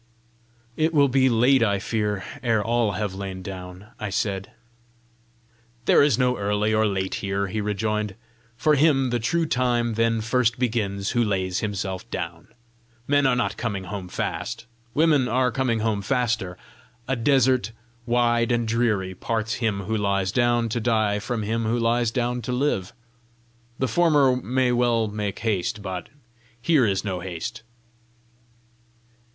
"It will be late, I fear, ere all have lain down!" I said. "There is no early or late here," he rejoined. "For him the true time then first begins who lays himself down. Men are not coming home fast; women are coming faster. A desert, wide and dreary, parts him who lies down to die from him who lies down to live. The former may well make haste, but here is no haste."